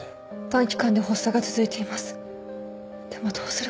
短期間で発作が続いています。